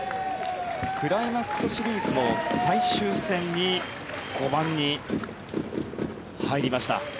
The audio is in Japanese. クライマックスシリーズの最終戦で５番に入りました。